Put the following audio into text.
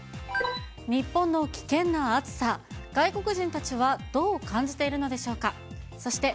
日本の危険な暑さ、外国人たちはどう感じているのでしょうか。